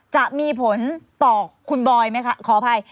จะมีผลต่อคุณบอยไหมคะขออภัย